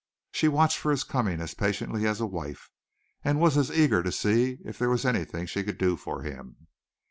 She watched for his coming as patiently as a wife and was as eager to see if there was anything she could do for him.